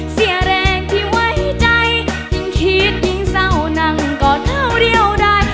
เสียแรงที่ไว้ใจยิ่งคิดยิ่งเศร้านั่งกอดเท่าเรี่ยวได้